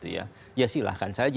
ya silahkan saja